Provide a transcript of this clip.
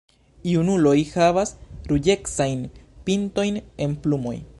Junuloj havas ruĝecajn pintojn en plumoj.